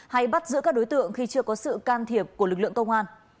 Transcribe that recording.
hay bắt giữ các đối tượng khi chưa có sự can thiệp của lực lượng công an